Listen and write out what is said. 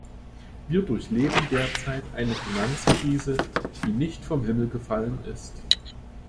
Wir durchleben derzeit eine Finanzkrise, die nicht vom Himmel gefallen ist.